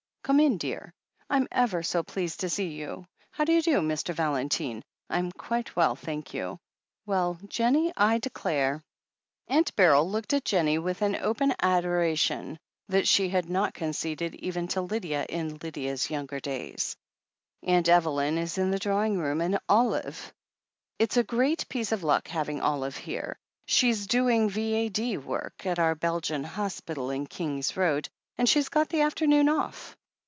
"Come in, dear — I'm ever so pleased to see you. How do you do, Mr. Valentine ? I'm quite well, thank you. Well, Jennie, I declare !" Aunt Beryl looked at Jennie with an open adoration 428 THE HEEL OF ACHILLES that she had not conceded even to Lydia in Lydxa*s younger days. "Aunt Evelyn is in the drawing room, and Olive. It's a great piece of luck having Olive here. She's doing V.A.D. work at our Belgian Hospital in King's Road, and she's got the afternoon off.